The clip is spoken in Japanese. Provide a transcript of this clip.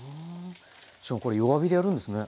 しかもこれ弱火でやるんですね？